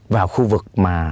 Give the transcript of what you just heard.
vào khu vực mà